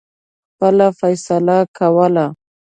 خپله فیصله کوله.